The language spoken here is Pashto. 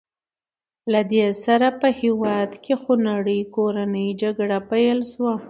له دې سره په هېواد کې خونړۍ کورنۍ جګړه پیل شوه.